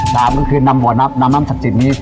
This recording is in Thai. สามก็คือนำบ่อน้ำนำน้ำศักดิ์สิทธิ์นี้